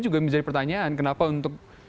juga menjadi pertanyaan kenapa untuk